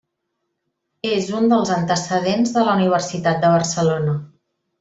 És un dels antecedents de la Universitat de Barcelona.